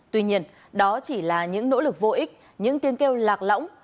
tuy nhiên đó chỉ là những nỗ lực vô ích những tiếng kêu lạc lõng